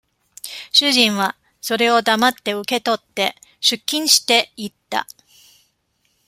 主人は、それを黙って受け取って、出勤して行った。